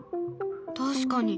確かに。